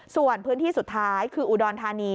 ส่วนพื้นที่สุดท้ายคืออุดรธานี